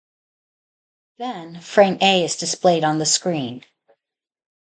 Then frame A is displayed on the screen.